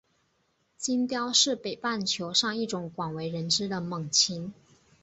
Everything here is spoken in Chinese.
金雕是北半球上一种广为人知的猛禽。